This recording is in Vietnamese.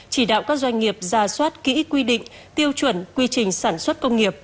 chỉ đạo các doanh nghiệp ra soát kỹ quy định tiêu chuẩn quy trình sản xuất công nghiệp